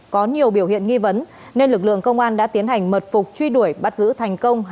có nhiều biểu hiện nghi vấn nên lực lượng công an đã tiến hành mật phục truy đuổi bắt giữ thành công